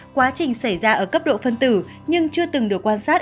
quá trình xảy ra ở cấp độ phân tử nhưng chưa từng được quan sát